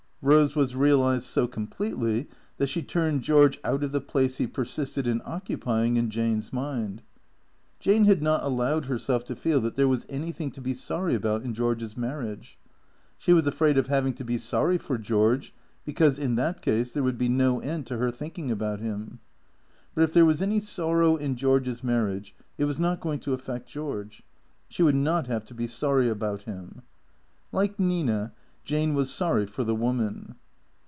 Eose was realized so completely that she turned George out of the place he persisted in occupying in Jane's mind. Jane had not allowed herself to feel that there was anything to be sorry about in George's marriage. She was afraid of having to be sorry for George, because, in that case, there would be no end to her thinking about him. But if there was any sorrow in George's marriage it was not going to affect George. She would not have to be sorry about him. Like Nina, Jane was sorry for the woman.